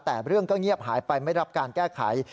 แต่เรื่องก็เงียบหายไปไม่รับการแก้ไข